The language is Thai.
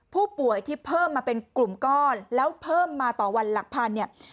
ผู้ป่วยที่เพิ่มมาเป็นกลุ่มก้อนแล้วเพิ่มมาต่อวันหลักพันเนี่ย